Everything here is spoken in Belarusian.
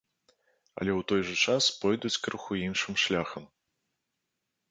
Але ў той жа час пойдуць крыху іншым шляхам.